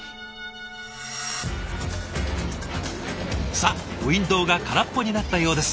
さあウィンドーが空っぽになったようです。